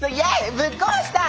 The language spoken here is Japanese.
ぶっ壊したい！